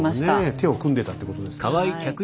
手を組んでたってことですね。